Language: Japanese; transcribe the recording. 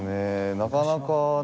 なかなかね